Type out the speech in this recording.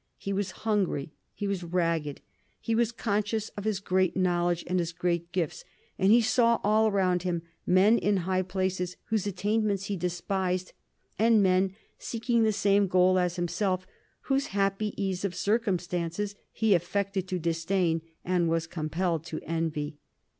He was hungry, he was ragged, he was conscious of his great knowledge and his great gifts, and he saw all around him men in high places whose attainments he despised, and men seeking the same goal as himself whose happy ease of circumstances he affected to disdain and was compelled to envy.